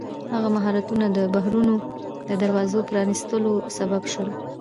هغه مهارتونه د بحرونو د دروازو پرانیستلو سبب شول.